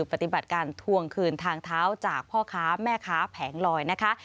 ปฏิบัติการทวงคืนทางเท้าจากพ่อค้าแม่ค้าแผงลอยนะคะ